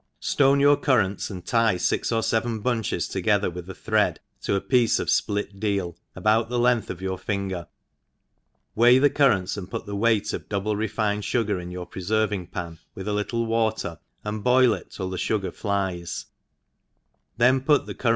STONE youf currants, and tie fix or fc?e* bunches together with a thread to a piece of fplit deal, about the length of your finger, weigh the currants, and put their weight of double refined fugar in your preferving pan, with 4 little water, and be il it till the fugar flies, then put the cur?